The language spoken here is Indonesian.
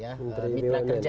ya mitra kerja